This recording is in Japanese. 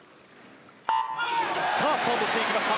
さあ、スタートしていきました。